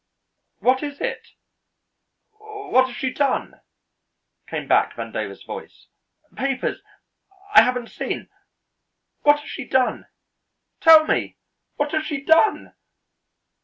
"What is it what has she done?" came back Vandover's voice. "Papers I haven't seen what has she done? Tell me what has she done?"